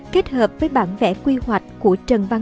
kết hợp với bản vẽ quy hoạch của trần văn